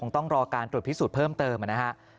ต้องรอการตรวจพิสูจน์เพิ่มเติมนะครับ